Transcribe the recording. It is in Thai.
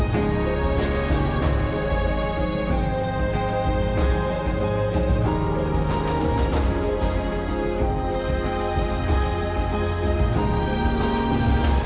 โปรดติดตามตอนต่อไป